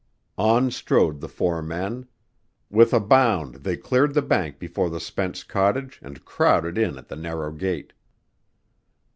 On strode the four men. With a bound they cleared the bank before the Spence cottage and crowded in at the narrow gate.